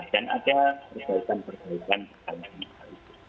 dan ada persoalan persoalan yang akan kita lakukan